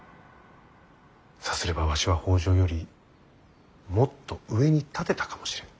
さすればわしは北条よりもっと上に立てたかもしれぬ。